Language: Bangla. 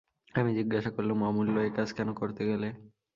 আমি জিজ্ঞাসা করলুম, অমূল্য, এ কাজ কেন করতে গেলে?